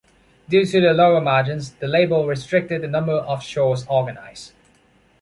Due to the lower margins, the label restricted the number of shows organized.